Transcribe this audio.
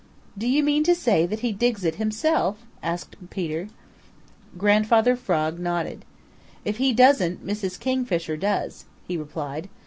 "Do you mean to say that he digs it himself?" asked Peter. Grandfather Frog nodded. "If he doesn't, Mrs. Kingfisher does," he replied.